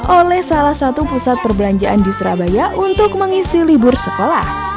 oleh salah satu pusat perbelanjaan di surabaya untuk mengisi libur sekolah